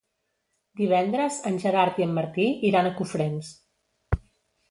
Divendres en Gerard i en Martí iran a Cofrents.